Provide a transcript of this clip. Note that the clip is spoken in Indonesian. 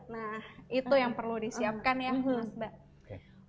nah itu yang perlu disiapkan ya khusus mbak